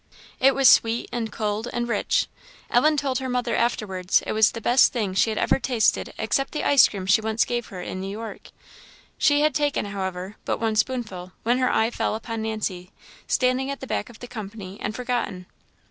It was sweet, and cold, and rich. Ellen told her mother afterwards it was the best thing she had ever tasted except the ice cream she once gave her in New York. She had taken, however, but one spoonful, when her eye fell upon Nancy, standing at the back of all the company, and forgotten.